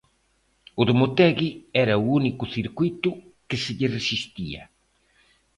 O de Motegui era o único circuíto que se lle resistía.